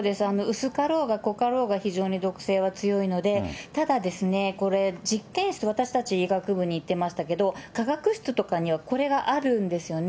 薄かろうが濃かろうが、非常に毒性は強いので、ただ、これ、実験室、私たち、医学部に行ってましたけど、化学室とかにはこれがあるんですよね。